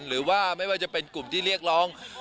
หรือว่าไม่ว่าจะเป็นกลุ่มที่เรียกร้อง